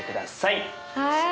はい。